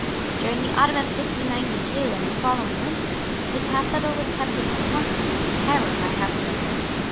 During the autumn of 1692 and the following winter, the capital was kept in constant terror by housebreakers.